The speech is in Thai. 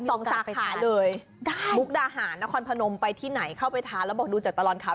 สาขาเลยมุกดาหารนครพนมไปที่ไหนเข้าไปทานแล้วบอกดูจากตลอดข่าว